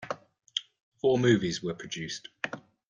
Four movies were produced.